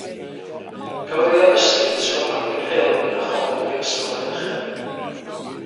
Cafodd ei addysgu yn Ysgol Ramadeg y Rhyl a Choleg y Brifysgol Rhydychen.